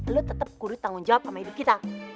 lo tetep kurut tanggung jawab sama hidup kita